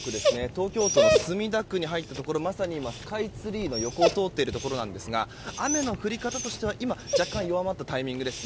東京都の墨田区に入ったところまさに今、スカイツリーの横を通っているところなんですが雨の降り方としては今若干弱まったタイミングです。